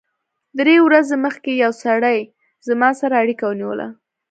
درې ورځې مخکې یو سړي زما سره اړیکه ونیوله